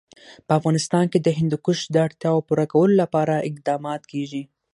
په افغانستان کې د هندوکش د اړتیاوو پوره کولو لپاره اقدامات کېږي.